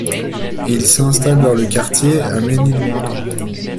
Il s’installe dans le quartier, à Ménilmontant.